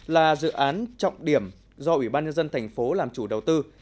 là dự án trọng điểm do ủy ban nhân dân thành phố làm chủ đầu tư